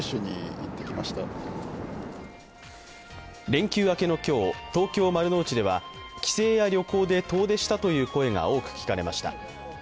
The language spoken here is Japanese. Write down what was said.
連休明けの今日、東京・丸の内では帰省や旅行で遠出したという声が多く聞かれました。